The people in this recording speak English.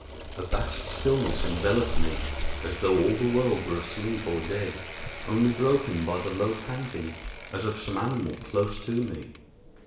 A vast stillness enveloped me, as though all the world were asleep or dead—only broken by the low panting as of some animal close to me.